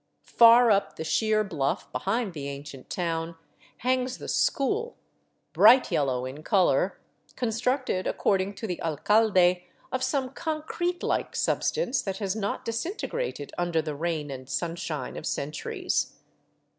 Far up the sheer bluff behind the ancient town hangs the " school," bright yellow in color, constructed, according to the alcalde, of some concrete like substance that has not disintegrated under the rain and sunshine of centuries.